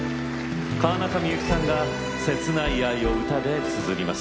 川中美幸さんが切ない愛を歌でつづります。